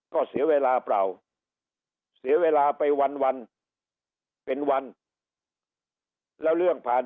ก็เสียเวลาเปล่าเสียเวลาไปวันเป็นวันแล้วเรื่องผ่าน